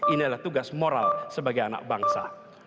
ini adalah tugas moral sebagai anak bangsa